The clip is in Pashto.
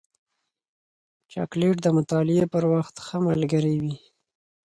چاکلېټ د مطالعې پر وخت ښه ملګری وي.